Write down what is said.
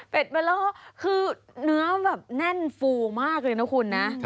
เป็นเบลอคือเนื้อแบบแน่นฟูมากเลยนะคุณนะ